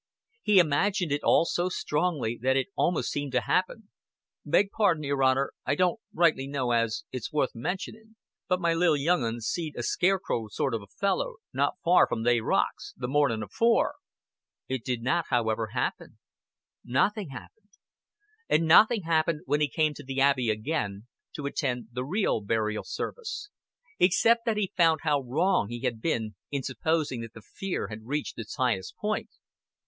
He imagined it all so strongly that it almost seemed to happen. "Beg pardon, your honor, I don't rightly know as, it's wuth mentionin', but my lil' young 'un see'd a scarecrow sort of a feller not far from they rocks, the mornin' afore." It did not, however, happen. Nothing happened. And nothing happened when he came to the Abbey again to attend the real burial service except that he found how wrong he had been in supposing that the fear had reached its highest point.